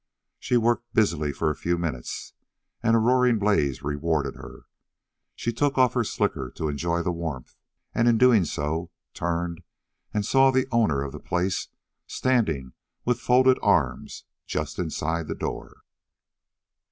She worked busily for a few minutes, and a roaring blaze rewarded her; she took off her slicker to enjoy the warmth, and in doing so, turned, and saw the owner of the place standing with folded arms just inside the door.